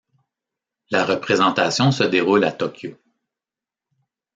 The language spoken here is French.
La représentation se déroule à Tokyo.